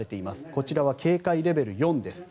こちらは警戒レベル４です。